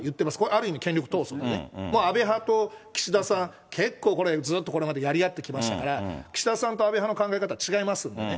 ある意味、権力闘争、安倍派と岸田さん、結構これ、ずっとこれまでやりあってきましたから、岸田さんと安倍派の考え方は違いますんでね。